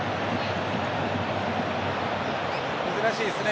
難しいですね。